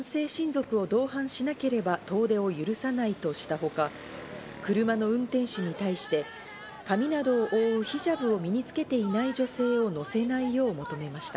通達によりますと、女性は男性親族を同伴しなければ遠出を許さないとしたほか、車の運転手に対して髪などを覆うヒジャブを身につけていない女性を乗せないよう、求めました。